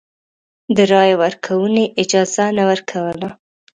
د رایې ورکونې اجازه نه ورکوله.